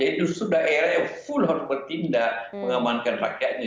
jadi justru daerah yang full heart bertindak mengamankan rakyatnya